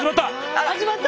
始まった！